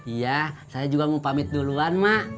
iya saya juga mau pamit duluan mak